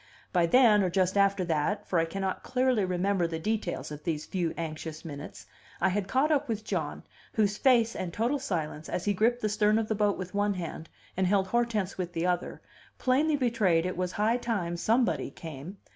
By then, or just after that (for I cannot clearly remember the details of these few anxious minutes), I had caught up with John, whose face, and total silence, as he gripped the stern of the boat with one hand and held Hortense with the other, plainly betrayed it was high time somebody came.